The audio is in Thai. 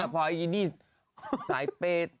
พอไอ้นี่สายเปเตย์